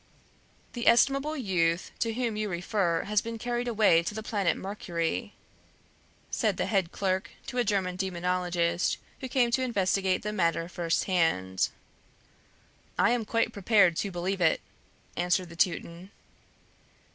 "The estimable youth to whom you refer has been carried away to the planet Mercury," said the head clerk to a German demonologist who came to investigate the matter at first hand. "I am quite prepared to believe it," answered the Teuton.